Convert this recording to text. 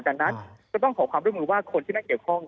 ดังนั้นก็ต้องขอความร่วมมือว่าคนที่นั่งเกี่ยวข้อง